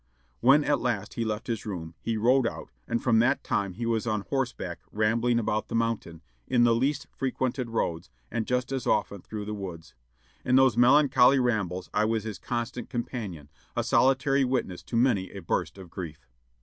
When, at last, he left his room, he rode out, and from that time he was on horseback rambling about the mountain, in the least frequented roads, and just as often through the woods. In those melancholy rambles I was his constant companion, a solitary witness to many a burst of grief."